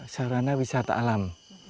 sarana wisata alam